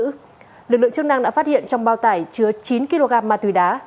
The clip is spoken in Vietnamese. lực lượng chức năng đã phát hiện trong bao tải chứa chín kg ma túy đá